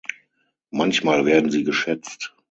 Manchmal werden sie geschätzt.